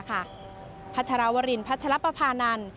พระชารวรินิมติพระชลัพพานัน